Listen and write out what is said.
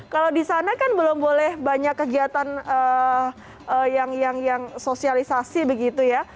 kalau di sana kan belum boleh banyak kegiatan yang sosialisasi begitu ya